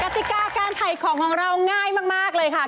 ติกาการถ่ายของของเราง่ายมากเลยค่ะ